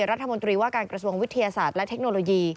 รัฐมนตรีว่าการกระทรวงวิทยาศาสตร์และเทคโนโลยี